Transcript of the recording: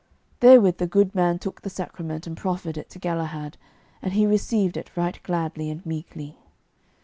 Therewith the good man took the sacrament and proffered it to Galahad, and he received it right gladly and meekly.